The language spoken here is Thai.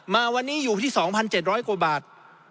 มาวันนี้อยู่ที่๒๗๐๐กว่าบาท